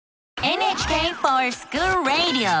「ＮＨＫｆｏｒＳｃｈｏｏｌＲａｄｉｏ」！